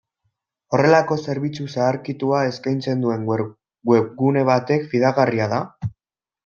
Horrelako zerbitzu zaharkitua eskaintzen duen webgune batek fidagarria da?